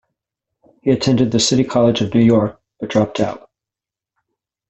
He attended the City College of New York but dropped out.